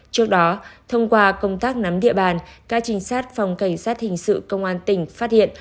trước đó thông qua công tác nắm địa bàn các trinh sát phòng cảnh sát hình sự công an tỉnh phát hiện